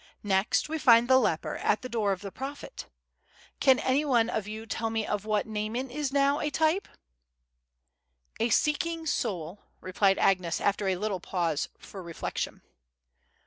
"Next we find the leper at the door of the prophet. Can any one of you tell me of what Naaman now is a type?" "A seeking soul," replied Agnes, after a little pause for reflection.